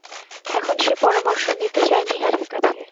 এখন সে পরামর্শ নিতে যায় নীহারের কাছে।